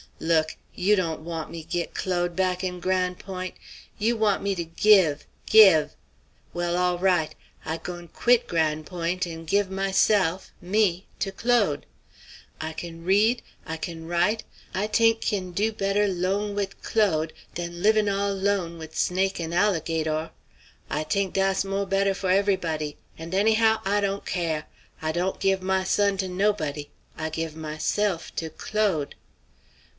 Look! You dawn't want me git Claude back in Gran' Point'. You want me to give, give. Well, all right! I goin' quit Gran' Point' and give myself, me, to Claude. I kin read, I kin write, I t'ink kin do better 'long wid Claude dan livin' all 'lone wid snake' and alligator. I t'ink dass mo' better for everybody; and anyhow, I dawn't care; I dawn't give my son to nobody; I give myself to Claude."